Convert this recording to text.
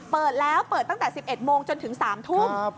เปิดแล้วเปิดตั้งแต่๑๑โมงจนถึง๓ทุ่ม